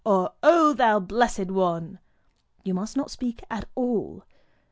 _' or 'O thou Blessed One!' You must not speak at all.